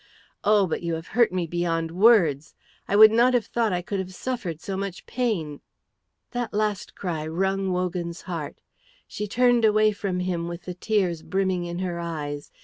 Oh, but you have hurt me beyond words. I would not have thought I could have suffered so much pain!" That last cry wrung Wogan's heart. She turned away from him with the tears brimming in her eyes.